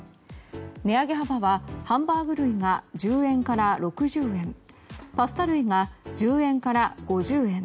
値上げ幅はハンバーグ類が１０円から６０円パスタ類が１０円から５０円